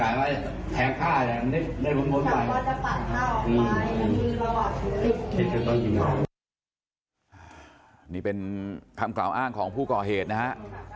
นี่เป็นคำกล่าวอ้างของผู้ก่อเหตุนะฮะ